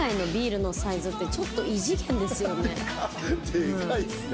でかいっすね。